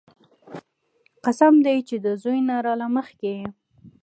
قسم دې چې د زوى نه راله مخكې يې.